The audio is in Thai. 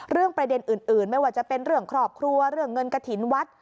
ประเด็นอื่นไม่ว่าจะเป็นเรื่องครอบครัวเรื่องเงินกระถิ่นวัด